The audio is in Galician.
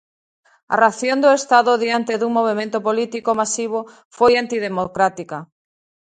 A reacción do Estado diante dun movemento político masivo foi antidemocrática.